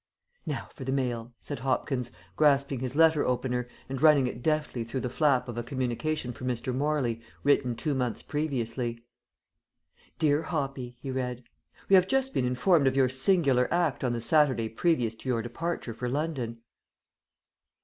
"Now for the mail," said Hopkins, grasping his letter opener, and running it deftly through the flap of a communication from Mr. Morley, written two months previously. "Dear Hoppy," he read. "We have just been informed of your singular act on the Saturday previous to your departure for London."